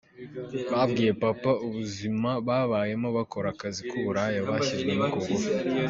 Babwiye Papa ubuzima babayemo bakora akazi k'uburaya bashyizwemo ku ngufu.